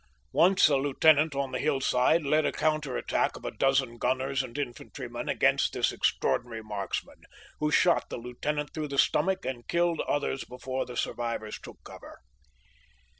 Once a lieutenant on the hillside led a counter attack of a dozen gunners and infantrymen against this extraordinary marksman, who shot the lieutenant through the stomach and killed others before the sur vivors took cover.